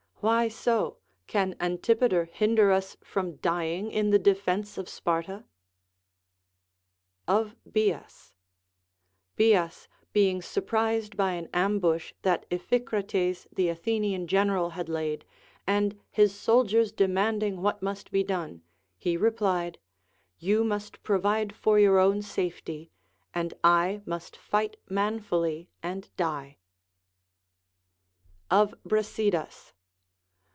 Why so, can Antipater hinder us from dying in the defence of Sparta? 406 LACONIC APOPHTHEGMS. Of Bias. Bias being surprised by an ambush that Iphicrates the Athenian general had laid, and his soldiers demanding what must be done, he replied," You must pro\'ide for your own safety, and I must fight manfully and die. Of Br as Idas.